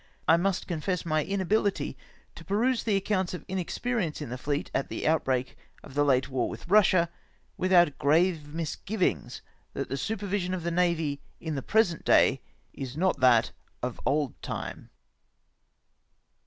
I must confess my inabihty to peruse the accounts of inexpe rience in the fleet at the outbreak of the late war with Eussia, without grave misgivings that the supervision of the navy in the present day is not that of old time.